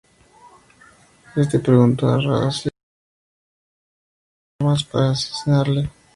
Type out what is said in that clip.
Este preguntó a Rada si era cierto que andaba comprando armas para asesinarle.